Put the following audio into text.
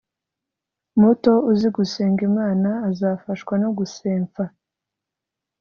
Muto uzigusenga imana azafashwa nogusenfa